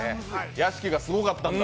屋敷がすごかったんや。